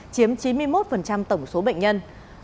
chiếm chín mươi một tổng số bệnh nhân